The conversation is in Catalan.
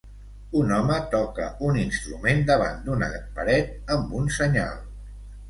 Un home toca un instrument davant d'una paret amb un senyal.